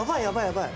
やばい！